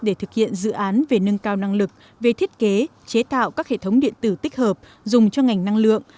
để thực hiện dự án về nâng cao năng lực về thiết kế chế tạo các hệ thống điện tử tích hợp dùng cho ngành năng lượng